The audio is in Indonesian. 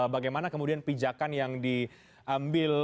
bagaimana kemudian pijakan yang diambil